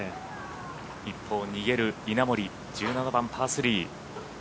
一方、逃げる稲森１７番、パー３。